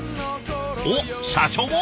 おっ社長も？